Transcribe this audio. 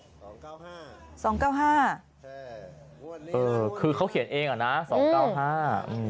สองเก้าห้าสองเก้าห้าใช่เออคือเขาเขียนเองอ่ะนะสองเก้าห้าอืม